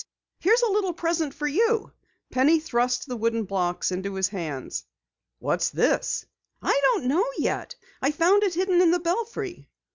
Here's a little present for you." Penny thrust the wooden box into his hands. "What's this?" "I don't know yet. I found it hidden in the belfry."